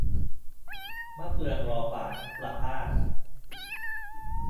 'มะเฟืองรอฝาน' ประภาส